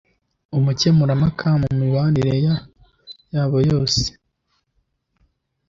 umukemurampaka mu mibanire yabo yose - victoria secunda